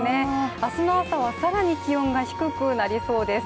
明日の朝は更に気温が低くなりそうです。